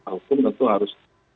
hukum tentu harus